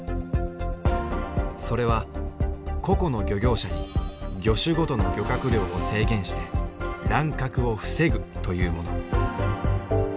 それは個々の漁業者に魚種ごとの漁獲量を制限して乱獲を防ぐというもの。